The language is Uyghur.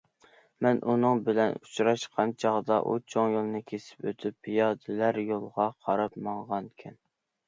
مەن ئۇنىڭ بىلەن ئۇچراشقان چاغدا ئۇ چوڭ يولنى كېسىپ ئۆتۈپ پىيادىلەر يولىغا قاراپ ماڭغانىكەن.